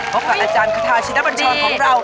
พบกับอาจารย์คาทาชินบัญชรของเรา